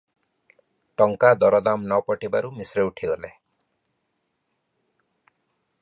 ଟଙ୍କା ଦରଦାମ ନ ପଟିବାରୁ ମିଶ୍ରେ ଉଠିଗଲେ ।